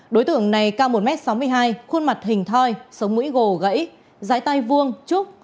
đối tượng này cao một m sáu mươi hai khuôn mặt hình thoi sống mũi gồ gãy tay vuông trúc